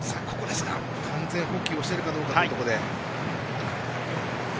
完全捕球をしているかどうかというところで。